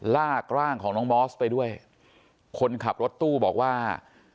ลากร่างของน้องมอสไปด้วยคนขับรถตู้บอกว่า